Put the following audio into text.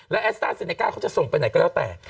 และแอสต้าเซเนก้าเขาจะส่งไปไหนก็แล้วแต่